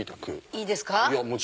いいですか？